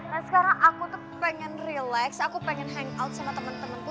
dan sekarang aku tuh pengen relax aku pengen hangout sama temen temenku